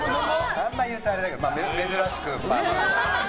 あんま言うとあれだけど珍しく。